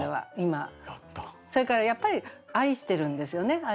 それからやっぱり愛してるんですよね。